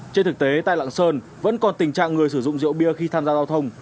trên thực tế tại lạng sơn vẫn còn tình trạng người sử dụng rượu bia khi tham gia giao thông